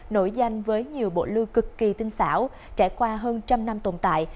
nổi danh với nhiều bộ lưu cực kỳ tinh xảo trải qua hơn trăm năm tồn tại